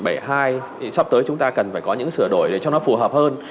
thì sắp tới chúng ta cần phải có những sửa đổi để cho nó phù hợp hơn